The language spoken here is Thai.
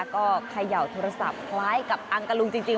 ก็เขย่าโทรศัพท์คล้ายกับอังตะลุงจริง